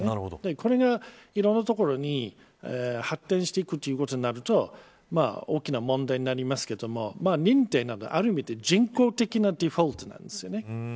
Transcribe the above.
これがいろいろなところに発展していくということになると大きな問題になりますけれども認定なので、ある意味で人工的なデフォルトなんです。